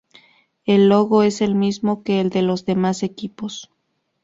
El logo es el mismo que el de los demás equipos.